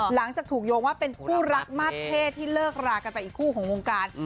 หลังจากถูกโยงว่าเป็นคู่รักมาสเท่ที่เลิกรากันไปอีกคู่ของวงการ